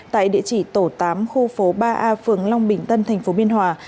tại địa chỉ tổ tám khu phố ba a phường long bình tân tp biên hòa